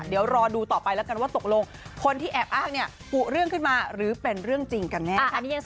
เดี๋ยวรอดูต่อไปแล้วกันว่าตกลงคนที่แอบอ้างเนี่ยกุเรื่องขึ้นมาหรือเป็นเรื่องจริงกันแน่